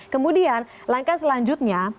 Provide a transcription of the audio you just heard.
kemudian langkah selanjutnya